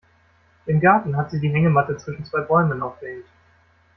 Im Garten hat sie die Hängematte zwischen zwei Bäumen aufgehängt.